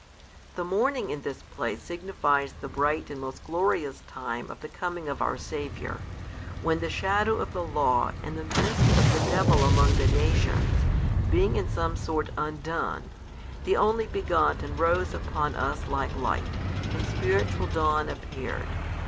The morning in this place |370 signifies the bright and most glorious time of the coming of our Saviour, when the shadow of the Law and the mist of the devil among the nations, being in some sort undone, the Only Begotten rose upon us like light, and spiritual dawn appeared.